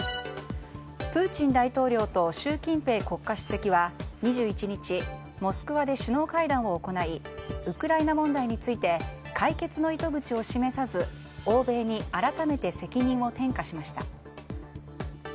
プーチン大統領と習近平国家主席は２１日モスクワで首脳会談を行いウクライナ問題について解決の糸口を示さず欧米に改めて責任を転嫁しました。